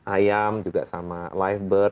ayam juga sama live bird